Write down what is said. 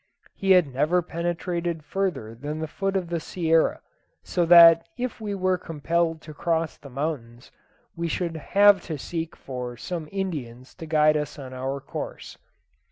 He had never penetrated further than the foot of the Sierra, so that if we were compelled to cross the mountains we should have to seek for some Indians to guide us on our course.